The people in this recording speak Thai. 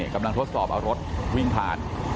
กำลังทดสอบเอารถวิ่งผ่าน